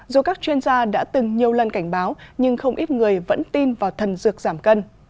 dù các chuyên gia đã từng nhiều lần cảnh báo nhưng không ít người vẫn tin vào thần dược giảm cân